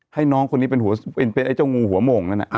ให้น้องคนนี้เป็นไอ้เจ้างูหัวโมงนั้น